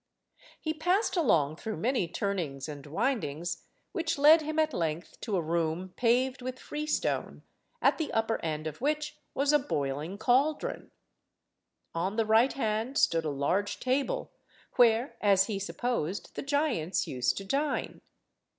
He passed along through many turnings and windings, which led him at length to a room paved with free–stone, at the upper end of which was a boiling cauldron. On the right hand stood a large table where, as he supposed, the giants used to dine.